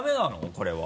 これは。